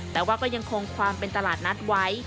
แต่ว่าก็ยังคงความเป็นตลาดนัดไว้